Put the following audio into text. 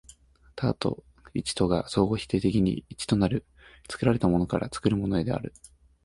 多と一とが相互否定的に一となる、作られたものから作るものへである。